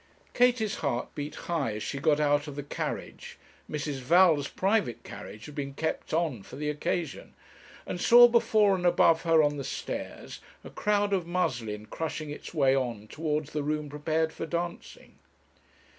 Katie's heart beat high as she got out of the carriage Mrs. Val's private carriage had been kept on for the occasion and saw before and above her on the stairs a crowd of muslin crushing its way on towards the room prepared for dancing.